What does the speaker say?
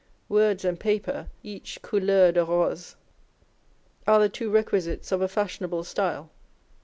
Words and paper, each couleur de rose, are the two requisites of a fashionable style.